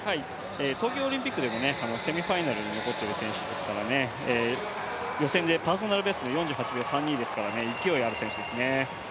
東京オリンピックでもセミファイナルに残っている選手ですから予選でパーソナルベストが４８秒３２ですから勢いある選手ですね。